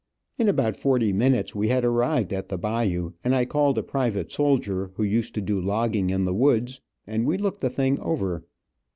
In about forty minutes we had arrived, at the bayou, and I called a private soldier who used to do logging in the woods, and we looked the thing over.